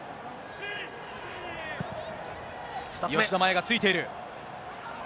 吉田麻也がついている。